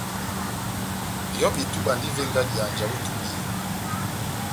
Nʼyobi-túbɛ andi ó ivenga dihanja ó itúbiyɛ.